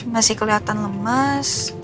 masih kelihatan lemes